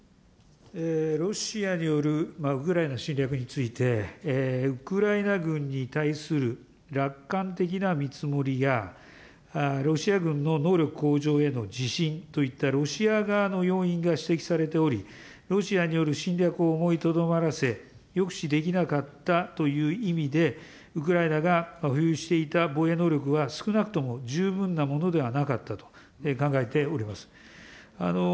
ロシアによるウクライナ侵略について、ウクライナ軍に対する楽観的な見積もりや、ロシア軍の能力向上への自信といったロシア側の要因が指摘されており、ロシアによる侵略を思いとどまらせ、抑止できなかったという意味で、ウクライナが保有していた防衛能力は、少なくとも十分なものではなかったと考えております。